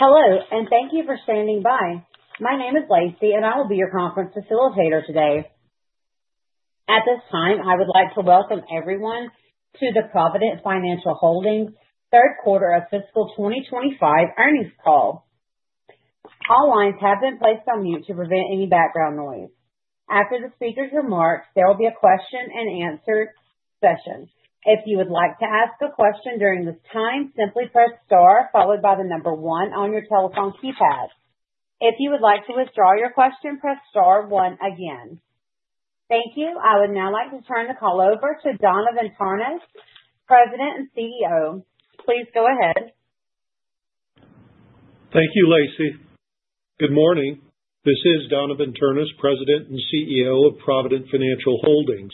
Hello, and thank you for standing by. My name is Lacey, and I will be your conference facilitator today. At this time, I would like to welcome everyone to the Provident Financial Holdings Third Quarter of Fiscal 2025 Earnings Call. All lines have been placed on mute to prevent any background noise. After the speaker's remarks, there will be a question-and-answer session. If you would like to ask a question during this time, simply press star followed by the number one on your telephone keypad. If you would like to withdraw your question, press star one again. Thank you. I would now like to turn the call over to Donavon Ternes, President and CEO. Please go ahead. Thank you, Lacey. Good morning. This is Donavon Ternes, President and CEO of Provident Financial Holdings.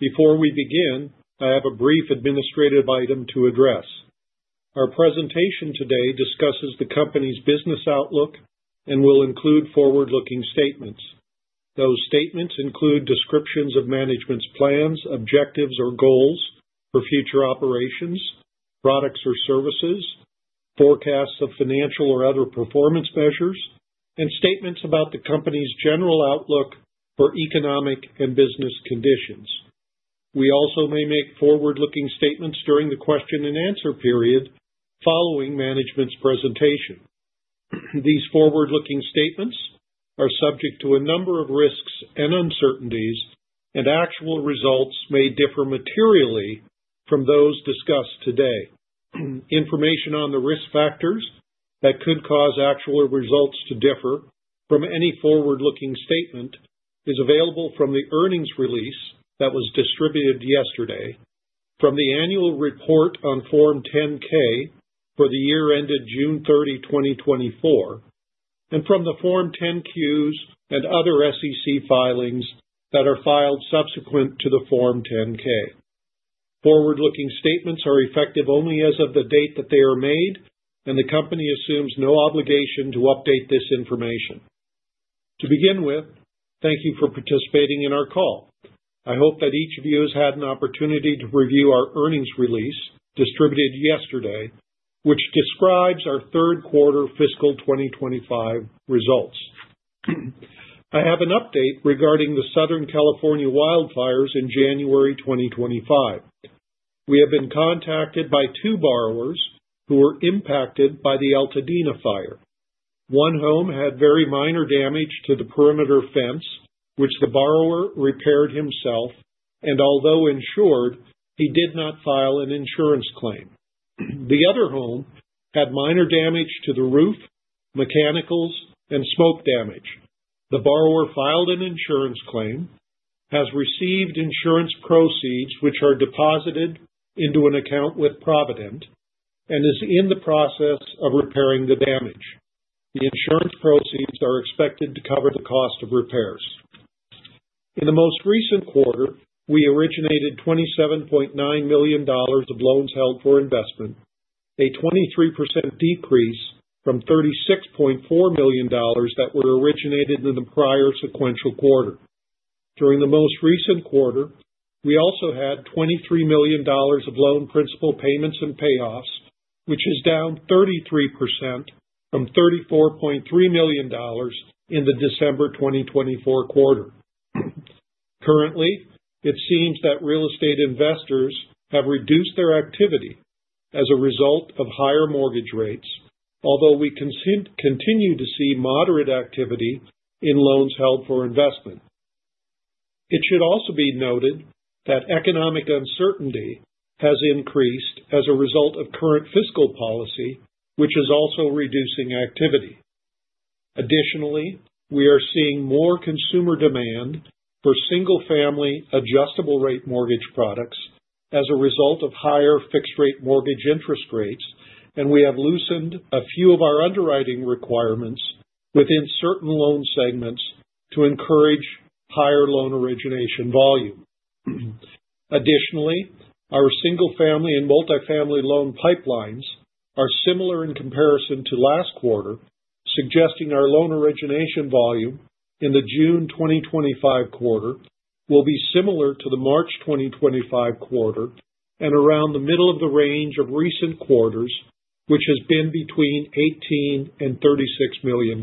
Before we begin, I have a brief administrative item to address. Our presentation today discusses the company's business outlook and will include forward-looking statements. Those statements include descriptions of management's plans, objectives, or goals for future operations, products or services, forecasts of financial or other performance measures, and statements about the company's general outlook for economic and business conditions. We also may make forward-looking statements during the question-and-answer period following management's presentation. These forward-looking statements are subject to a number of risks and uncertainties, and actual results may differ materially from those discussed today. Information on the risk factors that could cause actual results to differ from any forward-looking statement is available from the earnings release that was distributed yesterday, from the annual report on Form 10-K for the year ended June 30, 2024, and from the Form 10-Qs and other SEC filings that are filed subsequent to the Form 10-K. Forward-looking statements are effective only as of the date that they are made, and the company assumes no obligation to update this information. To begin with, thank you for participating in our call. I hope that each of you has had an opportunity to review our earnings release distributed yesterday, which describes our third quarter fiscal 2025 results. I have an update regarding the Southern California wildfires in January 2025. We have been contacted by two borrowers who were impacted by the Altadena fire. One home had very minor damage to the perimeter fence, which the borrower repaired himself, and although insured, he did not file an insurance claim. The other home had minor damage to the roof, mechanicals, and smoke damage. The borrower filed an insurance claim, has received insurance proceeds, which are deposited into an account with Provident, and is in the process of repairing the damage. The insurance proceeds are expected to cover the cost of repairs. In the most recent quarter, we originated $27.9 million of loans held for investment, a 23% decrease from $36.4 million that were originated in the prior sequential quarter. During the most recent quarter, we also had $23 million of loan principal payments and payoffs, which is down 33% from $34.3 million in the December 2024 quarter. Currently, it seems that real estate investors have reduced their activity as a result of higher mortgage rates, although we continue to see moderate activity in loans held for investment. It should also be noted that economic uncertainty has increased as a result of current fiscal policy, which is also reducing activity. Additionally, we are seeing more consumer demand for single-family adjustable-rate mortgage products as a result of higher fixed-rate mortgage interest rates, and we have loosened a few of our underwriting requirements within certain loan segments to encourage higher loan origination volume. Additionally, our single-family and multifamily loan pipelines are similar in comparison to last quarter, suggesting our loan origination volume in the June 2025 quarter will be similar to the March 2025 quarter and around the middle of the range of recent quarters, which has been between $18 million and $36 million.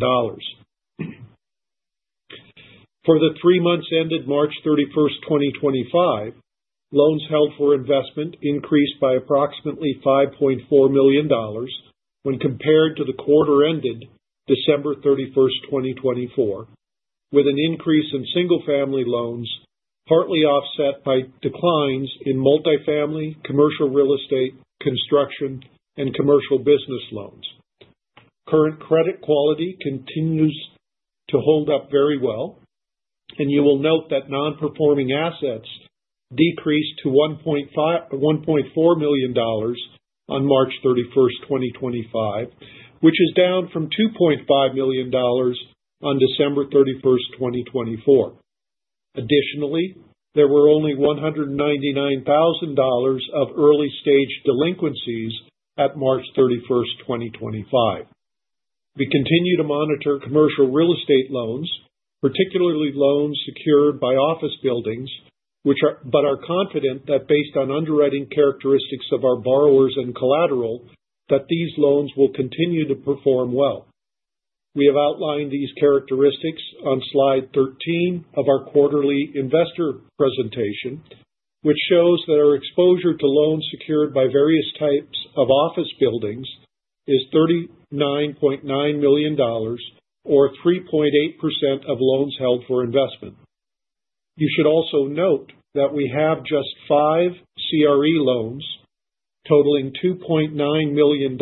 For the three months ended March 31st, 2025, loans held for investment increased by approximately $5.4 million when compared to the quarter ended December 31st, 2024, with an increase in single-family loans partly offset by declines in multifamily, commercial real estate, construction, and commercial business loans. Current credit quality continues to hold up very well, and you will note that non-performing assets decreased to $1.4 million on March 31st, 2025, which is down from $2.5 million on December 31st, 2024. Additionally, there were only $199,000 of early-stage delinquencies at March 31st, 2025. We continue to monitor commercial real estate loans, particularly loans secured by office buildings, but are confident that based on underwriting characteristics of our borrowers and collateral, these loans will continue to perform well. We have outlined these characteristics on slide 13 of our quarterly investor presentation, which shows that our exposure to loans secured by various types of office buildings is $39.9 million, or 3.8% of loans held for investment. You should also note that we have just five CRE loans totaling $2.9 million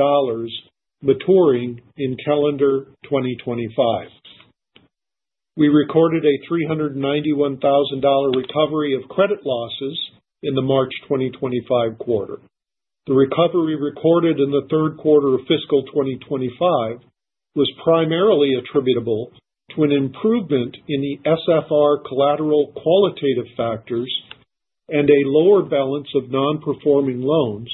maturing in calendar 2025. We recorded a $391,000 recovery of credit losses in the March 2025 quarter. The recovery recorded in the third quarter of fiscal 2025 was primarily attributable to an improvement in the SFR collateral qualitative factors and a lower balance of non-performing loans,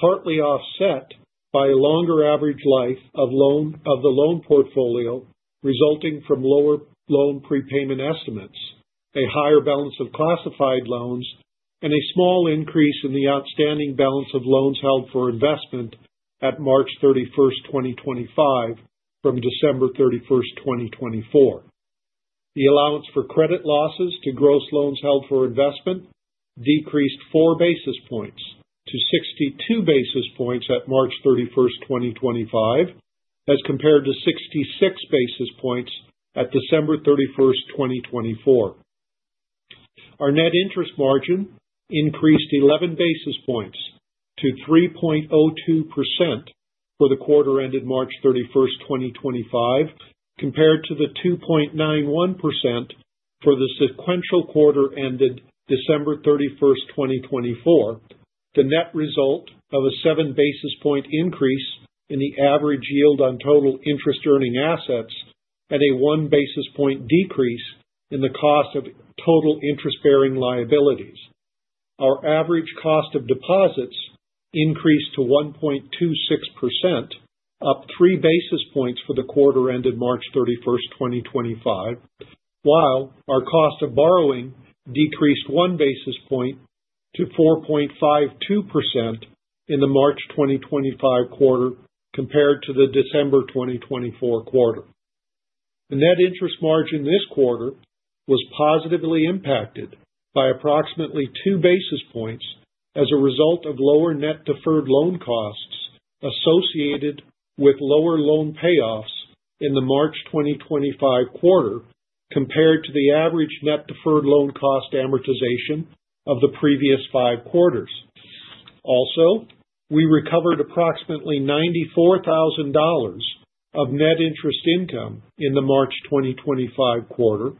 partly offset by a longer average life of the loan portfolio resulting from lower loan prepayment estimates, a higher balance of classified loans, and a small increase in the outstanding balance of loans held for investment at March 31st, 2025, from December 31st, 2024. The allowance for credit losses to gross loans held for investment decreased four basis points to 62 basis points at March 31st, 2025, as compared to 66 basis points at December 31st, 2024. Our net interest margin increased 11 basis points to 3.02% for the quarter ended March 31st, 2025, compared to the 2.91% for the sequential quarter ended December 31st, 2024, the net result of a seven basis point increase in the average yield on total interest-earning assets and a one basis point decrease in the cost of total interest-bearing liabilities. Our average cost of deposits increased to 1.26%, up three basis points for the quarter ended March 31st, 2025, while our cost of borrowing decreased one basis point to 4.52% in the March 2025 quarter compared to the December 2024 quarter. The net interest margin this quarter was positively impacted by approximately two basis points as a result of lower net deferred loan costs associated with lower loan payoffs in the March 2025 quarter compared to the average net deferred loan cost amortization of the previous five quarters. Also, we recovered approximately $94,000 of net interest income in the March 2025 quarter,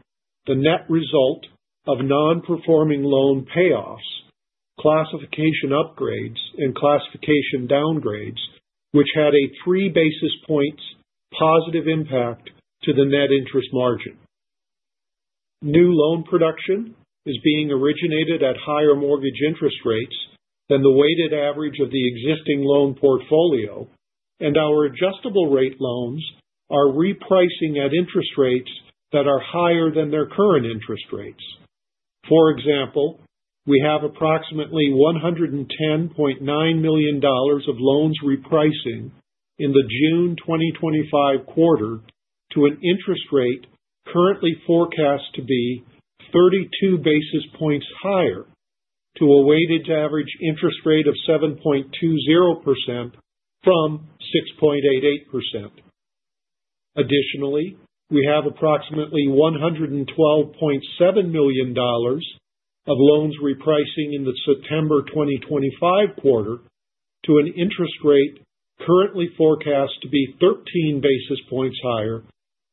the net result of non-performing loan payoffs, classification upgrades, and classification downgrades, which had a three basis points positive impact to the net interest margin. New loan production is being originated at higher mortgage interest rates than the weighted average of the existing loan portfolio, and our adjustable-rate loans are repricing at interest rates that are higher than their current interest rates. For example, we have approximately $110.9 million of loans repricing in the June 2025 quarter to an interest rate currently forecast to be 32 basis points higher to a weighted average interest rate of 7.20% from 6.88%. Additionally, we have approximately $112.7 million of loans repricing in the September 2025 quarter to an interest rate currently forecast to be 13 basis points higher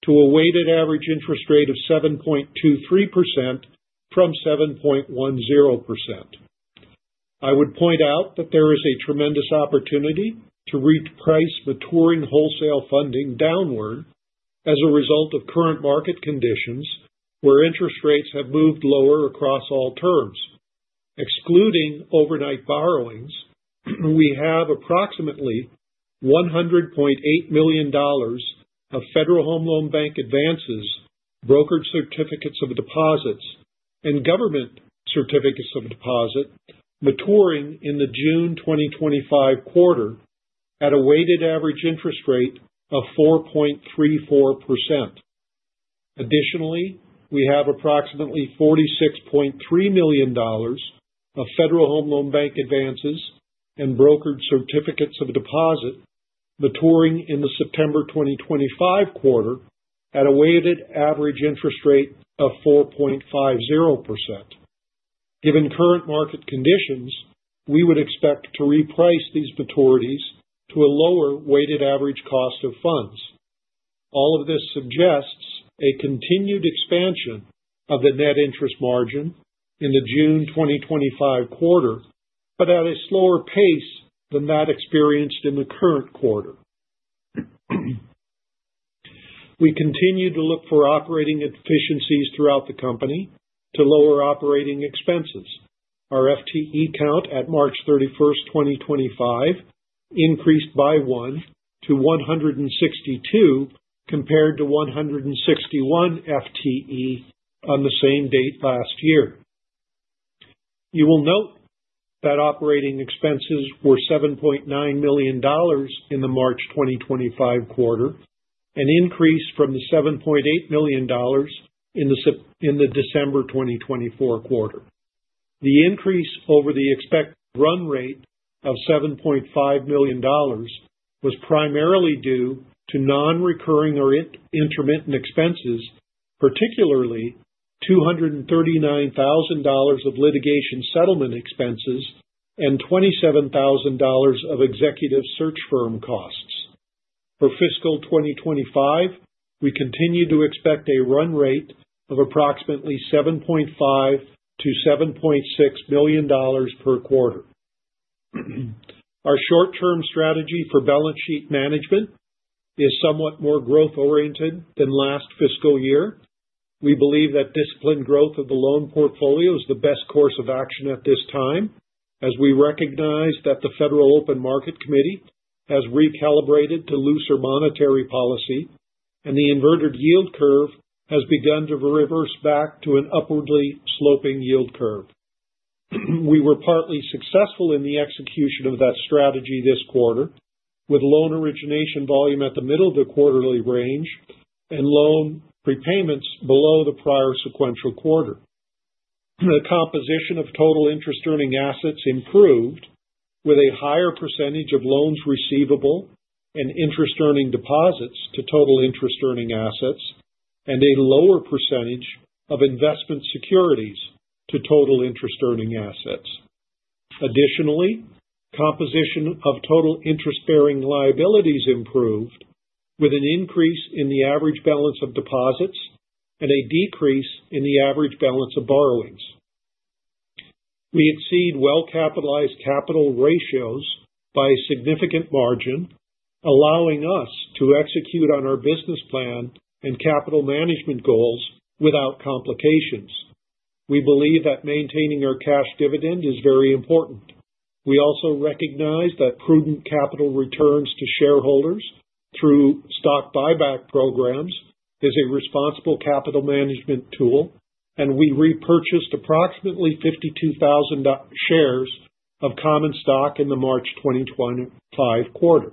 to a weighted average interest rate of 7.23% from 7.10%. I would point out that there is a tremendous opportunity to reprice maturing wholesale funding downward as a result of current market conditions where interest rates have moved lower across all terms. Excluding overnight borrowings, we have approximately $100.8 million of Federal Home Loan Bank advances, brokered certificates of deposit, and government certificates of deposit maturing in the June 2025 quarter at a weighted average interest rate of 4.34%. Additionally, we have approximately $46.3 million of Federal Home Loan Bank advances and brokered certificates of deposit maturing in the September 2025 quarter at a weighted average interest rate of 4.50%. Given current market conditions, we would expect to reprice these maturities to a lower weighted average cost of funds. All of this suggests a continued expansion of the net interest margin in the June 2025 quarter, but at a slower pace than that experienced in the current quarter. We continue to look for operating efficiencies throughout the company to lower operating expenses. Our FTE count at March 31st, 2025, increased by one to 162 compared to 161 FTE on the same date last year. You will note that operating expenses were $7.9 million in the March 2025 quarter, an increase from the $7.8 million in the December 2024 quarter. The increase over the expected run rate of $7.5 million was primarily due to non-recurring or intermittent expenses, particularly $239,000 of litigation settlement expenses and $27,000 of executive search firm costs. For fiscal 2025, we continue to expect a run rate of approximately $7.5-$7.6 million per quarter. Our short-term strategy for balance sheet management is somewhat more growth-oriented than last fiscal year. We believe that disciplined growth of the loan portfolio is the best course of action at this time, as we recognize that the Federal Open Market Committee has recalibrated to looser monetary policy, and the inverted yield curve has begun to reverse back to an upwardly sloping yield curve. We were partly successful in the execution of that strategy this quarter, with loan origination volume at the middle of the quarterly range and loan repayments below the prior sequential quarter. The composition of total interest-earning assets improved, with a higher percentage of loans receivable and interest-earning deposits to total interest-earning assets and a lower percentage of investment securities to total interest-earning assets. Additionally, composition of total interest-bearing liabilities improved, with an increase in the average balance of deposits and a decrease in the average balance of borrowings. We exceed well-capitalized capital ratios by a significant margin, allowing us to execute on our business plan and capital management goals without complications. We believe that maintaining our cash dividend is very important. We also recognize that prudent capital returns to shareholders through stock buyback programs is a responsible capital management tool, and we repurchased approximately 52,000 shares of common stock in the March 2025 quarter.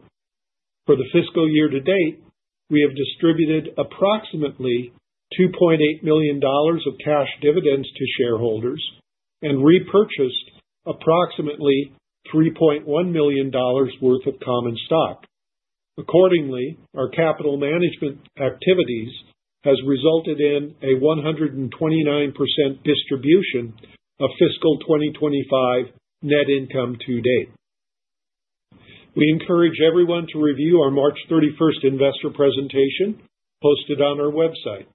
For the fiscal year to date, we have distributed approximately $2.8 million of cash dividends to shareholders and repurchased approximately $3.1 million worth of common stock. Accordingly, our capital management activities have resulted in a 129% distribution of fiscal 2025 net income to date. We encourage everyone to review our March 31st investor presentation posted on our website.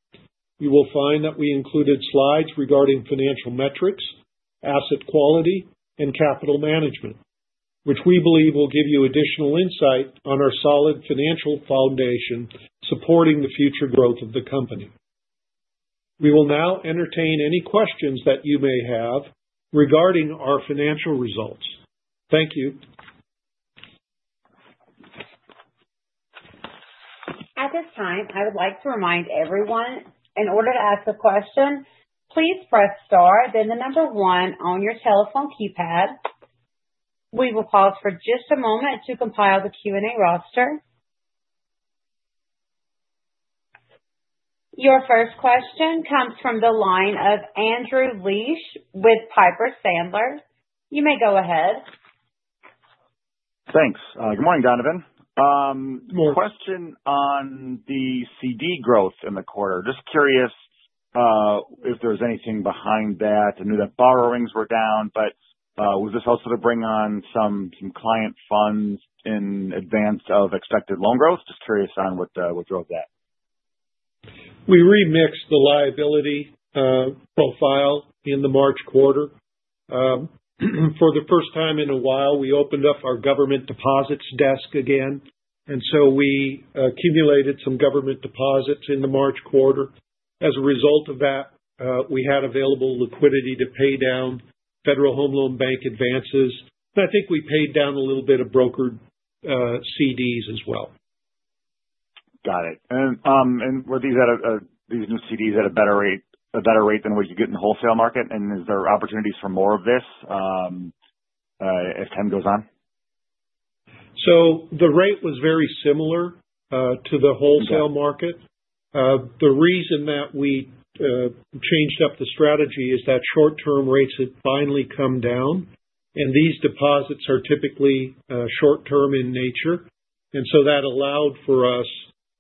You will find that we included slides regarding financial metrics, asset quality, and capital management, which we believe will give you additional insight on our solid financial foundation supporting the future growth of the company. We will now entertain any questions that you may have regarding our financial results. Thank you. At this time, I would like to remind everyone, in order to ask a question, please press star, then the number one on your telephone keypad. We will pause for just a moment to compile the Q&A roster. Your first question comes from the line of Andrew Liesch with Piper Sandler. You may go ahead. Thanks. Good morning, Donavon. Question on the CD growth in the quarter. Just curious if there's anything behind that. I knew that borrowings were down, but was this also to bring on some client funds in advance of expected loan growth? Just curious on what drove that. We remixed the liability profile in the March quarter. For the first time in a while, we opened up our government deposits desk again, and so we accumulated some government deposits in the March quarter. As a result of that, we had available liquidity to pay down Federal Home Loan Bank advances, and I think we paid down a little bit of brokered CDs as well. Got it. Were these new CDs at a better rate than what you get in the wholesale market? Is there opportunities for more of this as time goes on? The rate was very similar to the wholesale market. The reason that we changed up the strategy is that short-term rates had finally come down, and these deposits are typically short-term in nature, and so that allowed for us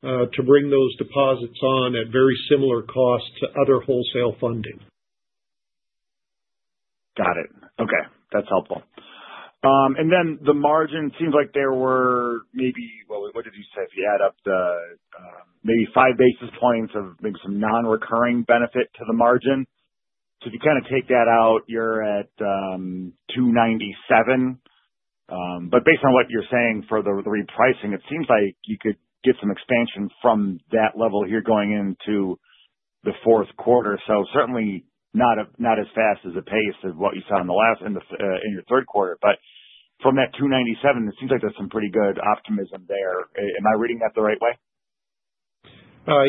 to bring those deposits on at very similar costs to other wholesale funding. Got it. Okay. That's helpful. The margin seems like there were maybe—well, what did you say? If you add up the maybe five basis points of maybe some non-recurring benefit to the margin. If you kind of take that out, you're at 297. Based on what you're saying for the repricing, it seems like you could get some expansion from that level here going into the fourth quarter. Certainly not as fast as the pace of what you saw in your third quarter. From that 297, it seems like there's some pretty good optimism there. Am I reading that the right way?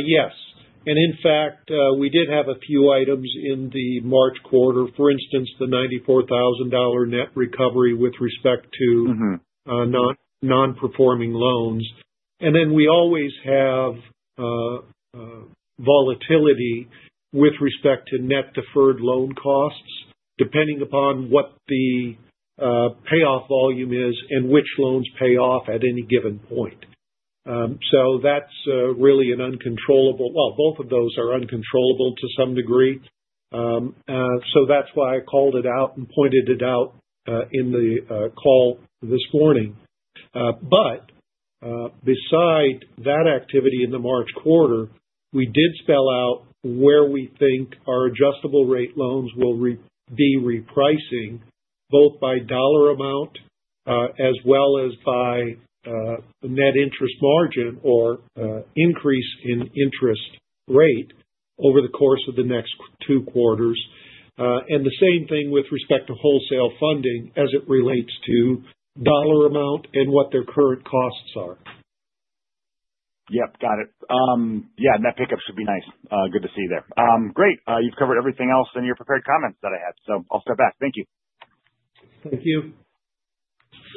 Yes. In fact, we did have a few items in the March quarter, for instance, the $94,000 net recovery with respect to non-performing loans. We always have volatility with respect to net deferred loan costs, depending upon what the payoff volume is and which loans pay off at any given point. That is really an uncontrollable—well, both of those are uncontrollable to some degree. That is why I called it out and pointed it out in the call this morning. Beside that activity in the March quarter, we did spell out where we think our adjustable-rate loans will be repricing, both by dollar amount as well as by net interest margin or increase in interest rate over the course of the next two quarters. The same thing with respect to wholesale funding as it relates to dollar amount and what their current costs are. Yep. Got it. Yeah. That pickup should be nice. Good to see you there. Great. You have covered everything else in your prepared comments that I had, so I will step back. Thank you. Thank you.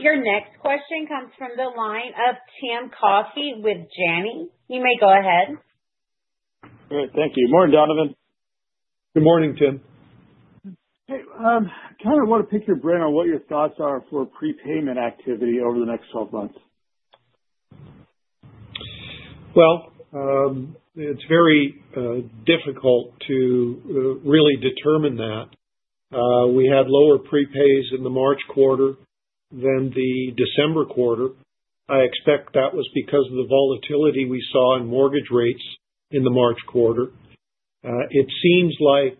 Your next question comes from the line of Tim Coffey with Janney. You may go ahead. Thank you. Morning, Donavon. Good morning, Tim. Hey. Kind of want to pick your brain on what your thoughts are for prepayment activity over the next 12 months. It is very difficult to really determine that. We had lower prepays in the March quarter than the December quarter. I expect that was because of the volatility we saw in mortgage rates in the March quarter. It seems like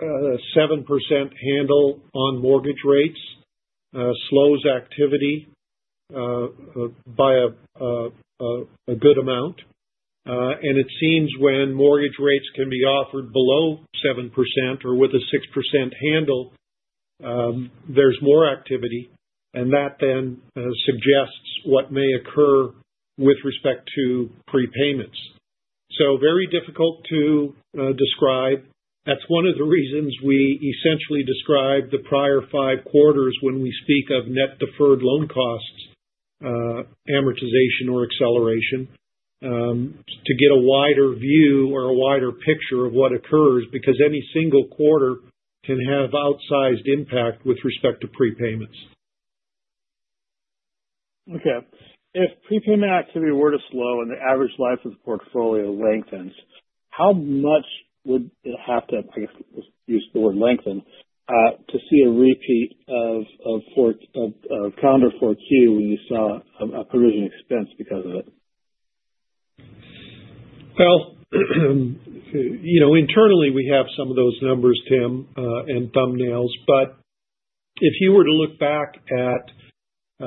a 7% handle on mortgage rates slows activity by a good amount. It seems when mortgage rates can be offered below 7% or with a 6% handle, there's more activity, and that then suggests what may occur with respect to prepayments. Very difficult to describe. That's one of the reasons we essentially describe the prior five quarters when we speak of net deferred loan costs, amortization, or acceleration, to get a wider view or a wider picture of what occurs, because any single quarter can have outsized impact with respect to prepayments. Okay. If prepayment activity were to slow and the average life of the portfolio lengthens, how much would it have to—I guess you used the word lengthen—to see a repeat of calendar 4Q when you saw a provision expense because of it? Internally, we have some of those numbers, Tim, and thumbnails, but if you were to look back at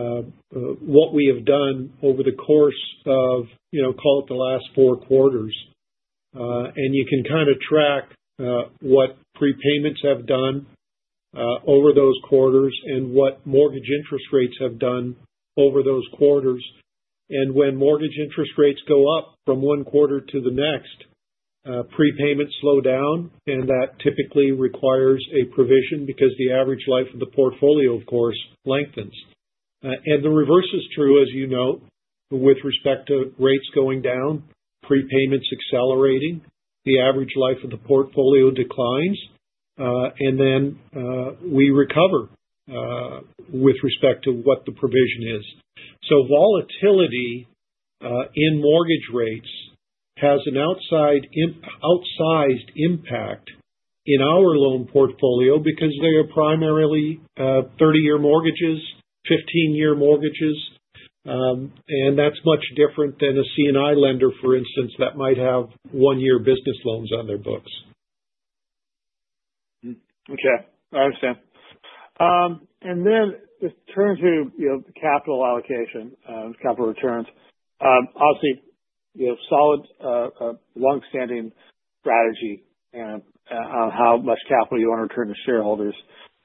what we have done over the course of, call it, the last four quarters, you can kind of track what prepayments have done over those quarters and what mortgage interest rates have done over those quarters. When mortgage interest rates go up from one quarter to the next, prepayments slow down, and that typically requires a provision because the average life of the portfolio, of course, lengthens. The reverse is true, as you know, with respect to rates going down, prepayments accelerating, the average life of the portfolio declines, and then we recover with respect to what the provision is. Volatility in mortgage rates has an outsized impact in our loan portfolio because they are primarily 30-year mortgages, 15-year mortgages, and that's much different than a C&I lender, for instance, that might have one-year business loans on their books. Okay. I understand. It turns to capital allocation, capital returns. Obviously, solid, long-standing strategy on how much capital you want to return to shareholders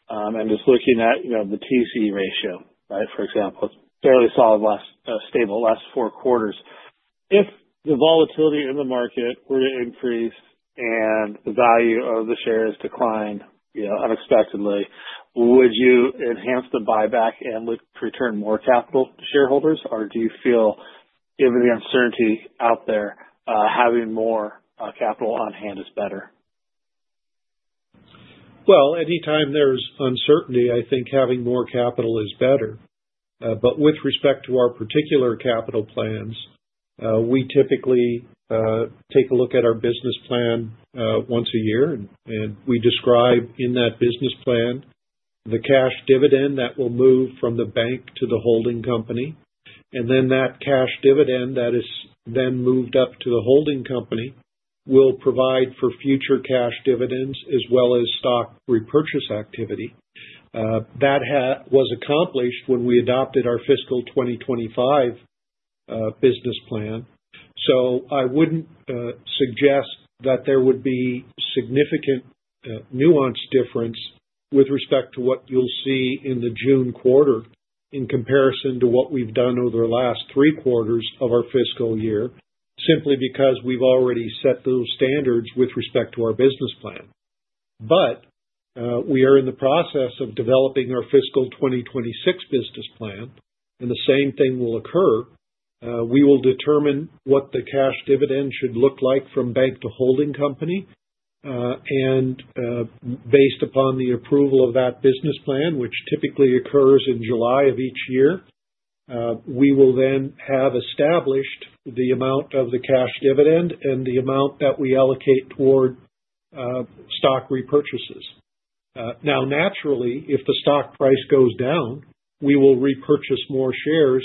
and just looking at the TC ratio, right, for example. Fairly solid, stable, last four quarters. If the volatility in the market were to increase and the value of the shares decline unexpectedly, would you enhance the buyback and return more capital to shareholders, or do you feel, given the uncertainty out there, having more capital on hand is better? Anytime there's uncertainty, I think having more capital is better. With respect to our particular capital plans, we typically take a look at our business plan once a year, and we describe in that business plan the cash dividend that will move from the bank to the holding company. That cash dividend that is then moved up to the holding company will provide for future cash dividends as well as stock repurchase activity. That was accomplished when we adopted our fiscal 2025 business plan. I wouldn't suggest that there would be significant nuance difference with respect to what you'll see in the June quarter in comparison to what we've done over the last three quarters of our fiscal year, simply because we've already set those standards with respect to our business plan. We are in the process of developing our fiscal 2026 business plan, and the same thing will occur. We will determine what the cash dividend should look like from bank to holding company. Based upon the approval of that business plan, which typically occurs in July of each year, we will then have established the amount of the cash dividend and the amount that we allocate toward stock repurchases. Naturally, if the stock price goes down, we will repurchase more shares,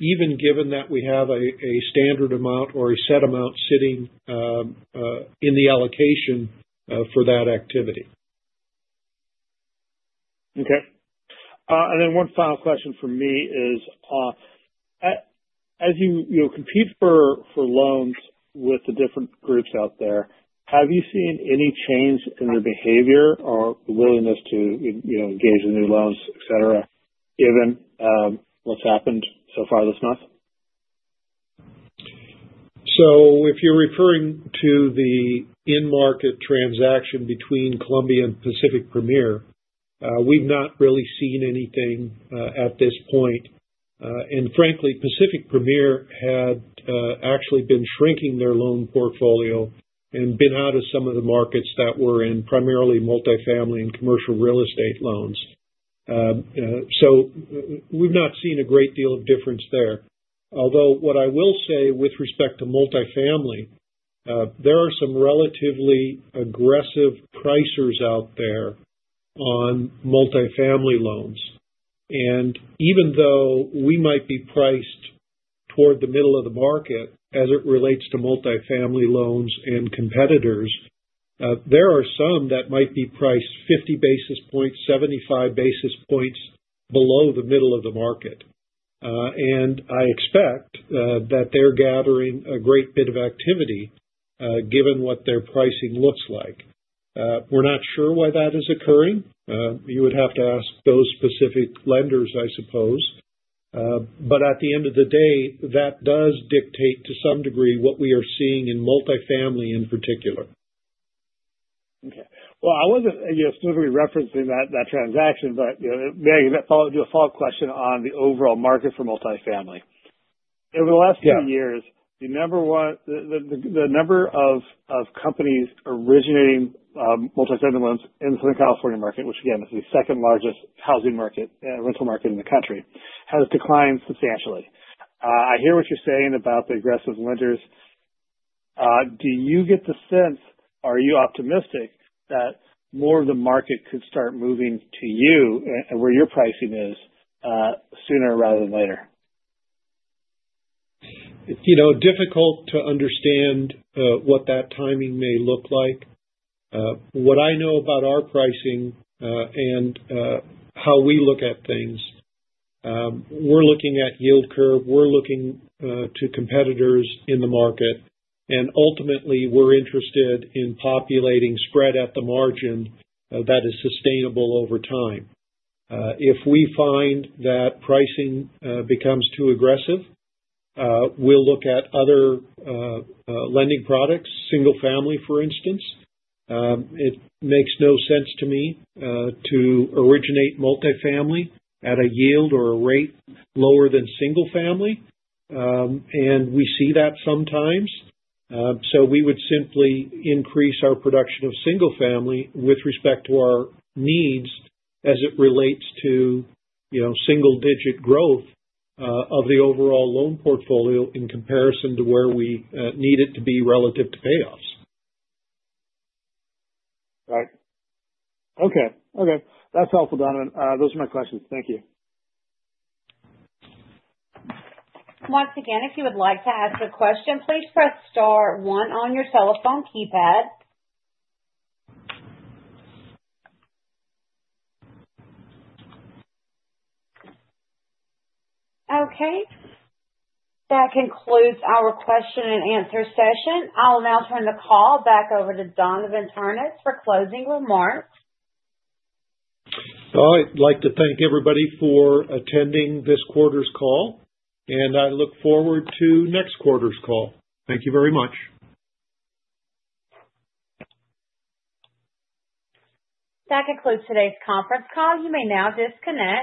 even given that we have a standard amount or a set amount sitting in the allocation for that activity. Okay. One final question for me is, as you compete for loans with the different groups out there, have you seen any change in their behavior or willingness to engage in new loans, etc., given what's happened so far this month? If you're referring to the in-market transaction between Columbia and Pacific Premier, we've not really seen anything at this point. Frankly, Pacific Premier had actually been shrinking their loan portfolio and been out of some of the markets that were in primarily multifamily and commercial real estate loans. We have not seen a great deal of difference there. What I will say with respect to multifamily, there are some relatively aggressive pricers out there on multifamily loans. Even though we might be priced toward the middle of the market as it relates to multifamily loans and competitors, there are some that might be priced 50 basis points, 75 basis points below the middle of the market. I expect that they are gathering a great bit of activity given what their pricing looks like. We are not sure why that is occurring. You would have to ask those specific lenders, I suppose. At the end of the day, that does dictate to some degree what we are seeing in multifamily in particular. Okay. I was not specifically referencing that transaction, but maybe that followed your follow-up question on the overall market for multifamily. Over the last two years, the number of companies originating multifamily loans in the Southern California market, which again is the second largest housing market, rental market in the country, has declined substantially. I hear what you are saying about the aggressive lenders. Do you get the sense—are you optimistic that more of the market could start moving to you and where your pricing is sooner rather than later? Difficult to understand what that timing may look like. What I know about our pricing and how we look at things, we're looking at yield curve, we're looking to competitors in the market, and ultimately, we're interested in populating spread at the margin that is sustainable over time. If we find that pricing becomes too aggressive, we'll look at other lending products, single-family, for instance. It makes no sense to me to originate multifamily at a yield or a rate lower than single-family, and we see that sometimes. We would simply increase our production of single-family with respect to our needs as it relates to single-digit growth of the overall loan portfolio in comparison to where we need it to be relative to payoffs. Right. Okay. Okay. That's helpful, Donavon. Those are my questions. Thank you. Once again, if you would like to ask a question, please press star one on your telephone keypad. Okay. That concludes our question-and-answer session. I'll now turn the call back over to Donavon Ternes for closing remarks. I'd like to thank everybody for attending this quarter's call, and I look forward to next quarter's call. Thank you very much. That concludes today's conference call. You may now disconnect.